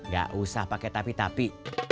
gak usah pakai tapi tapi